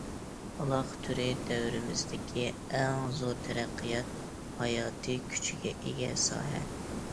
ئالاقە تورى دەۋرىمىزدىكى ئەڭ زور تەرەققىيات ھاياتىي كۈچىگە ئىگە ساھە.